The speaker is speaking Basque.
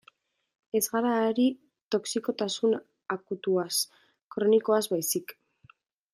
Ez gara ari toxikotasun akutuaz, kronikoaz baizik.